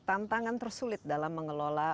tantangan tersulit dalam mengelola